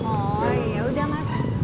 oh yaudah mas